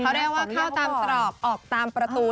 เขาเรียกว่าเข้าตามตรอกออกตามประตู